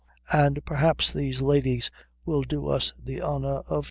And perhaps these ladies will do us the honour of tasting it."